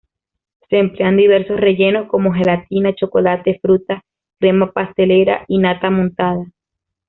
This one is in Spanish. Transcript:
Se emplean diversos rellenos, como gelatina, chocolate, fruta, crema pastelera y nata montada.